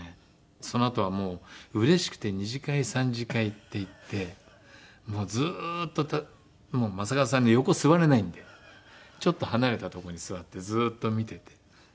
そのあとはもううれしくて２次会３次会って行ってずっと正和さんの横座れないんでちょっと離れたとこに座ってずっと見てて。